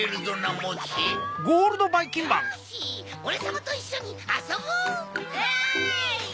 よしおれさまといっしょにあそぼう！わい！